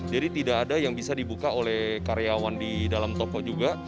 jadi tidak ada yang bisa dibuka oleh karyawan di dalam toko juga